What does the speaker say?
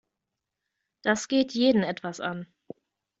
Das geht jeden etwas an.